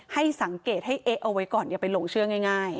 ให้สังเกตให้เอ๊ะเอาไว้ก่อนอย่าไปหลงเชื่อง่าย